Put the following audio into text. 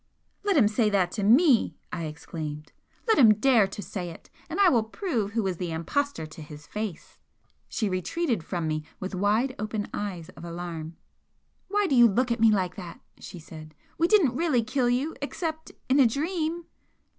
"Let him say that to ME!" I exclaimed "Let him dare to say it! and I will prove who is the impostor to his face!" She retreated from me with wide open eyes of alarm. "Why do you look at me like that?" she said. "We didn't really kill you except in a dream!"